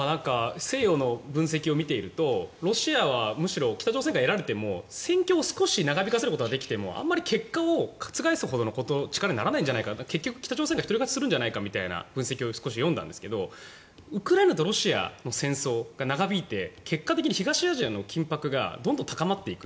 西洋の分析を見ているとロシアはむしろ北朝鮮から得られても戦況を長引かせることはできてもあまり結果を覆すほどの力にならないのでは北朝鮮が一人勝ちするのではというのを読んだんですがウクライナとロシアの戦争が長引いて結果的に東アジアの緊迫がどんどん高まっていく。